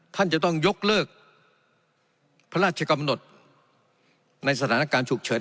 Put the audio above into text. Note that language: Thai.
ท่านจะต้องยกเลิกพระราชกรรมนตรบริหารในสถานการณ์ฉุกเฉิน